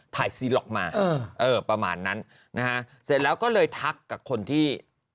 ซีล็อกมาประมาณนั้นนะฮะเสร็จแล้วก็เลยทักกับคนที่